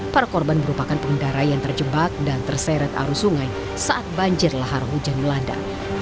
para korban merupakan pengendara yang terjebak dan terseret arus sungai saat banjir lahar hujan melanda